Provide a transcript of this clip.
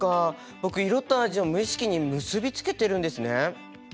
僕色と味を無意識に結びつけてるんですね。